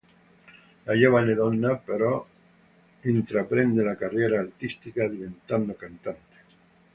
La giovane donna, però, intraprende la carriera artistica, diventando cantante.